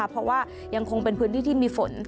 เพราะว่ายังคงเป็นพื้นที่ที่มีฝน